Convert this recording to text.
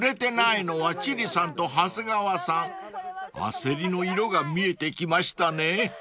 ［焦りの色が見えてきましたね］